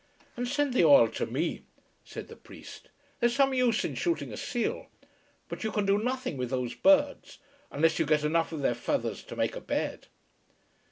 "And send the oil to me," said the priest. "There's some use in shooting a seal. But you can do nothing with those birds, unless you get enough of their feathers to make a bed."